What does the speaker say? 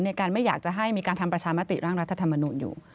ไม่อยากจะให้มีการทำประชามติร่างรัฐธรรมนุนอยู่